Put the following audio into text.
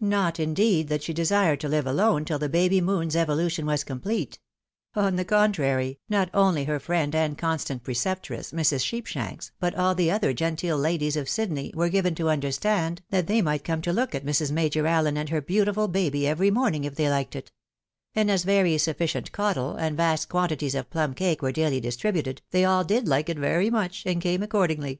Not, indeed, that she desired to hve alone tiU. the baby moon's evolution was complete — on the contrary, not only her friend and constant preceptress, Mrs. Sheepshanks, but all the other genteel ladies of Sydney, were given to understand that they might come to look at Mrs. Major AUen and her beautiful baby every morning if they liked it ; and as very sufficient caudle, and vast quantities of plum cake were daily distributed, they aU did like it very much, and came ac cordingly.